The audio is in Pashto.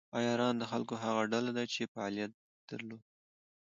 عیاران د خلکو هغه ډله ده چې فعالیت درلود.